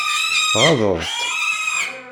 Ɣaḍeɣ-tt?